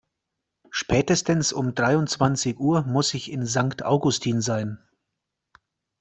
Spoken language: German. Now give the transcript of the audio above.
Spätestens um dreiundzwanzig Uhr muss ich in Sankt Augustin sein.